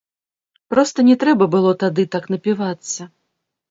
Проста не трэба было тады так напівацца.